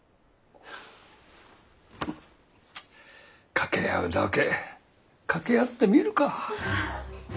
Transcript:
掛け合うだけ掛け合ってみるか。